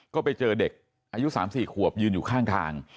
ก็ไปเจอเด็กอายุ๓๔ขวบยืนอยู่ข้างทาง